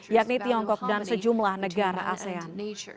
yakni tiongkok dan sejumlah negara asean